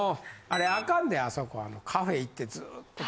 あれアカンであそこはカフェ行ってずっと。